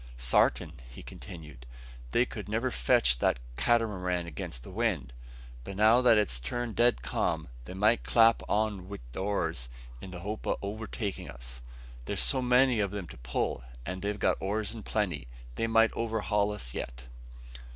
"Sartin!" he continued, "they could never fetch that catamaran against the wind; but now that it's turned dead calm, they might clap on wi' their oars, in the hope of overtakin' us. There's so many of them to pull, and they've got oars in plenty, they might overhaul us yet."